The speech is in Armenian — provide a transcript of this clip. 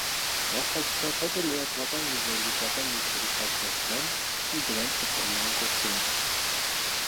Մասնագիտացած է լրատվական և վերլուծական նյութերի պատրաստման ու դրանց սփռման գործում։